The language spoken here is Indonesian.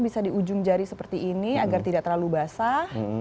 bisa di ujung jari seperti ini agar tidak terlalu basah